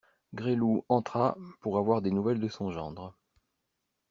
Gresloup entra pour avoir des nouvelles de son gendre.